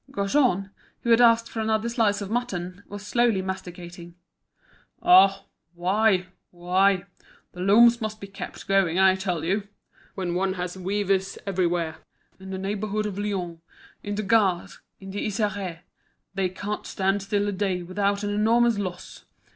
Gaujean, who had asked for another slice of mutton, was slowly masticating. "Ah! why, why? The looms must be kept going, I tell you. When one has weavers everywhere, in the neighbourhood of Lyons, in the Gard, in the Isere, they can't stand still a day without an enormous loss.